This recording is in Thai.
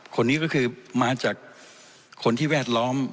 คนนี้ก็คือมาจากคนที่แวดล้อม